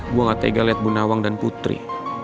gue gak tega liat bu nawang dan putri